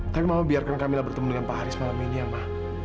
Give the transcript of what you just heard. tapi mama biarkan kamilah bertemu dengan pak haris malam ini ya ma